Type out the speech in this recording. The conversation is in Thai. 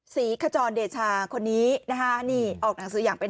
ขจรเดชาคนนี้นะฮะนี่ออกหนังสืออย่างเป็น